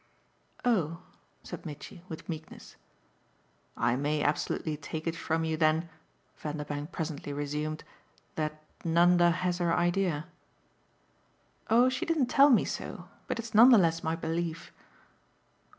"Oh!" said Mitchy with meekness. "I may absolutely take it from you then," Vanderbank presently resumed, "that Nanda has her idea?" "Oh she didn't tell me so. But it's none the less my belief."